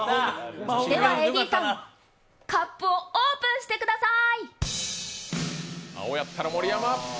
ではＡＤさん、カップをオープンしてください。